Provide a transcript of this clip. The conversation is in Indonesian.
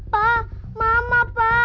pak mama pak